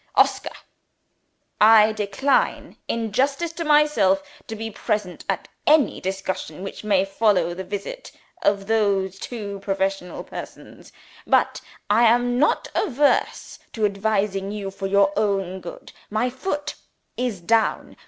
Oscar! I decline, in justice to myself, to be present at any discussion which may follow the visit of those two professional persons. But I am not averse to advising you for your own good. My Foot is down.